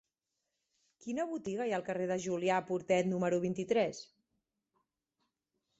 Quina botiga hi ha al carrer de Julià Portet número vint-i-tres?